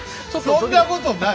そんなことない！